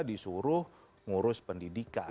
disuruh ngurus pendidikan